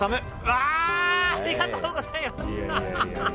わー、ありがとうございます！